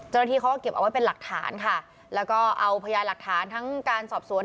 เจ้าหน้าที่เขาก็เก็บเอาไว้เป็นหลักฐานค่ะแล้วก็เอาพยานหลักฐานทั้งการสอบสวน